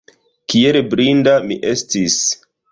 Kiel blinda mi estis!